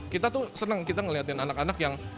kita tuh senang kita ngeliatin anak anak yang